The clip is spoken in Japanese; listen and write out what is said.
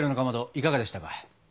いかがでしたか？